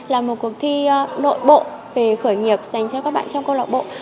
là một cuộc thi nội bộ về khởi nghiệp dành cho các bạn trong câu lạc bộ